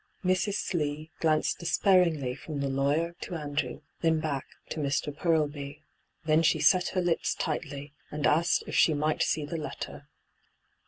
Mrs. Slee glanced despairingly from the lawyer ^ Andrew, then back to Mr. Purlby. Then she set her lips tightly, and asked if she might see the letter.